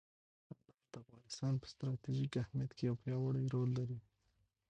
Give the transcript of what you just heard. انار د افغانستان په ستراتیژیک اهمیت کې یو پیاوړی رول لري.